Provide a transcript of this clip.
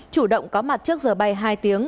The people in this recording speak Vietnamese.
chủ động có mặt trước giờ bay hai tiếng